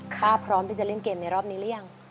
พร้อมที่จะเล่นเกมในรอบนี้หรือยัง